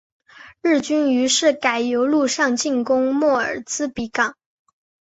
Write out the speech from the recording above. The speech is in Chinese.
日军于是改由陆上进攻莫尔兹比港。